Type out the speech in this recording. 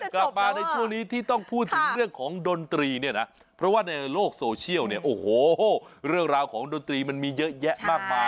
กลับมาในช่วงนี้ที่ต้องพูดถึงเรื่องของดนตรีเนี่ยนะเพราะว่าในโลกโซเชียลเนี่ยโอ้โหเรื่องราวของดนตรีมันมีเยอะแยะมากมาย